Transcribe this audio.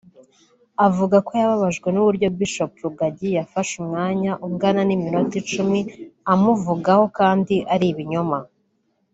Avuga ko yababajwe n’uburyo Bishop Rugagi yafashe umwanya ungana n’iminota icumi amuvugaho kandi ari ibinyoma